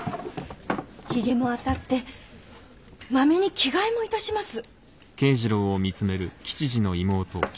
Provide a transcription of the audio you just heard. ひげもあたってまめに着替えもいたします。